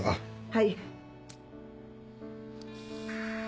はい。